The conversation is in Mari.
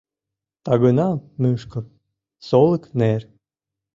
Тагына мӱшкыр, солык нер.